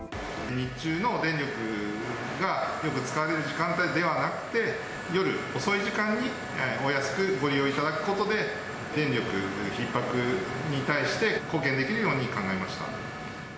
日中の電力がよく使われる時間帯ではなくて、夜遅い時間にお安くご利用いただくことで、電力ひっ迫に対して貢献できるように考えました。